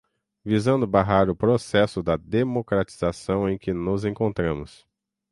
visando barrar o processo da democratização em que nos encontramos